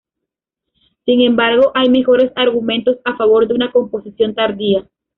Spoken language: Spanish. Sin embargo, hay mejores argumentos a favor de una composición tardía.